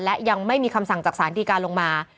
และยังไม่มีคำสั่งจากสารดีการลงมา